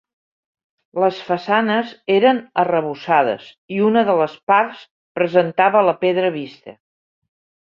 Les façanes eren arrebossades i una de les parts presentava la pedra vista.